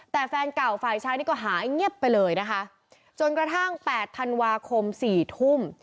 แต่แฟนเก่าฝ่ายชายนี่ก็หายเงียบไปเลยนะคะจนกระทั่งแปดธันวาคมสี่ทุ่ม